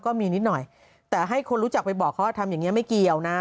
นิดหน่อยแต่ให้คนรู้จักไปบอกเขาว่าทำอย่างนี้ไม่เกี่ยวนะ